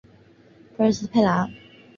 埃斯佩安迪兰。